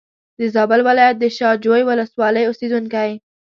د زابل ولایت د شا جوی ولسوالۍ اوسېدونکی.